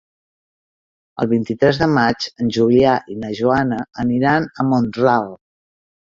El vint-i-tres de maig en Julià i na Joana aniran a Mont-ral.